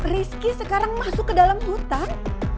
rizky sekarang masuk ke dalam hutan